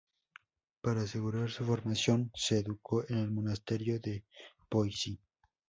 Para asegurar su formación, se educó en el monasterio de Poissy.